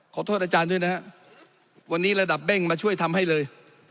ขอโทษอาจารย์ด้วยนะฮะวันนี้ระดับเด้งมาช่วยทำให้เลย